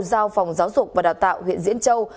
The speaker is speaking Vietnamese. giao phòng giáo dục và đào tạo huyện diễn châu